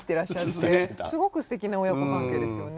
すごくすてきな親子関係ですよね。